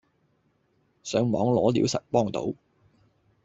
上網攞料實幫到